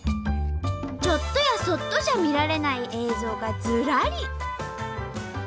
ちょっとやそっとじゃ見られない映像がずらり！